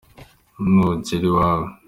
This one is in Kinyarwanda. Nugera iwawe